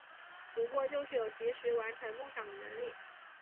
不过就是有及时完成梦想的能力